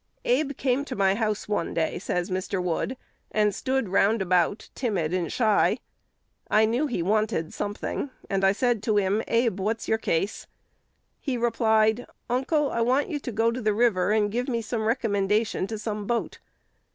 "Abe came to my house one day," says Mr. Wood, "and stood round about, timid and shy. I knew he wanted something, and said to him, 'Abe, what's your case?' He replied, 'Uncle, I want you to go to the river, and give me some recommendation to some boat.'